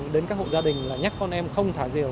đến các hộ gia đình là nhắc con em không thả diều